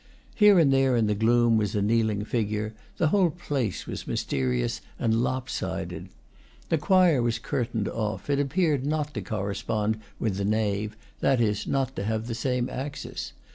Here and there in the gloom was a kneeling figure; the whole place was mysterious and lop sided. The choir was curtained off; it appeared not to correspond with the nave, that is, not to have the same axis.